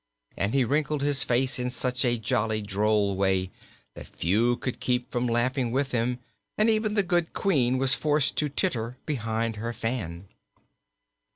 And he wrinkled his face in such a jolly, droll way that few could keep from laughing with him, and even the good Queen was forced to titter behind her fan.